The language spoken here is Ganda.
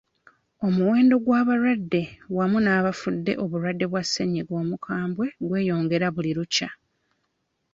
Omuwendo gw'abalwadde wamu n'abafudde obulwadde bwa ssennyinga omukabwe gweyongera buli lukya.